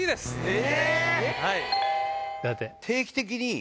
え⁉